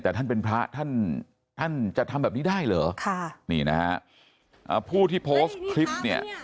แต่ท่านเป็นพระท่านท่านจะทำแบบนี้ได้เหรอค่ะนี่นะฮะผู้ที่โพสต์คลิปเนี่ย